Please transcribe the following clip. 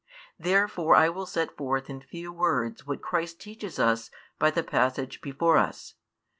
Therefore I will set forth in few words what Christ teaches us by the passage before us.